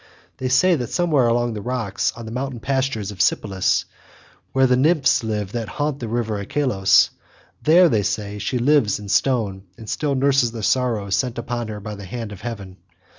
They say that somewhere among the rocks on the mountain pastures of Sipylus, where the nymphs live that haunt the river Achelous, there, they say, she lives in stone and still nurses the sorrows sent upon her by the hand of heaven.